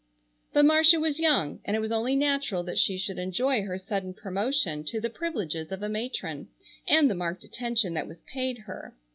But Marcia was young, and it was only natural that she should enjoy her sudden promotion to the privileges of a matron, and the marked attention that was paid her.